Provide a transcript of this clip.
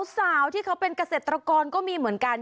สาวที่เขาเป็นเกษตรกรก็มีเหมือนกัน